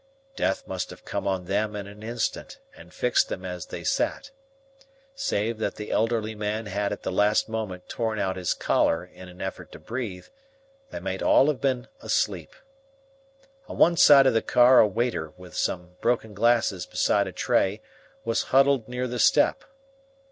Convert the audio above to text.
Death must have come on them in an instant and fixed them as they sat. Save that the elderly man had at the last moment torn out his collar in an effort to breathe, they might all have been asleep. On one side of the car a waiter with some broken glasses beside a tray was huddled near the step.